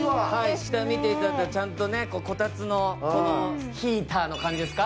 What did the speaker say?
下を見ていただくと、こたつのヒーターの感じですか。